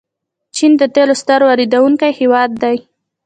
چین د تیلو ستر واردونکی هیواد دی.